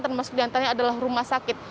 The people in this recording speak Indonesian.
termasuk diantaranya adalah rumah sakit